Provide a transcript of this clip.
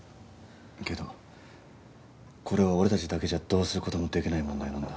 けどこれは俺たちだけじゃどうすることもできない問題なんだ。